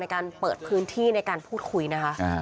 การเปิดพื้นที่ในการพูดคุยนะคะ